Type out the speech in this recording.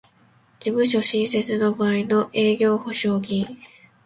事務所新設の場合の営業保証金